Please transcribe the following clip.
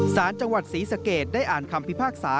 สารจังหวัดศรีสะเกดได้อ่านคำพิพากษา